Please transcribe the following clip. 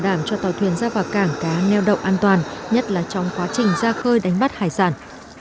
đảm cho tàu thuyền ra vào cảng cá neo đậu an toàn nhất là trong quá trình ra khơi đánh bắt hải sản